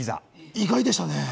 意外でしたね。